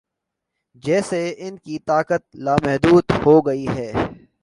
جیسے ان کی طاقت لامحدود ہو گئی ہے۔